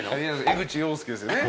江口洋介ですよね？